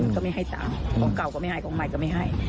ก็ไม่ให้ตังค์ของเก่าก็ไม่ให้ของใหม่ก็ไม่ให้